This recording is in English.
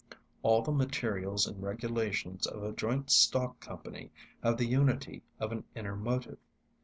All the materials and regulations of a joint stock company have the unity of an inner motive.